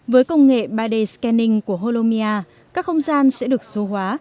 với công nghệ ba d scanning của holomia các không gian sẽ được số hóa